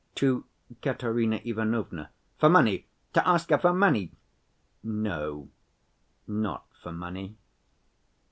"To Katerina Ivanovna." "For money? To ask her for money?" "No. Not for money."